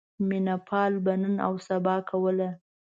مینه پال به نن اوسبا کوله.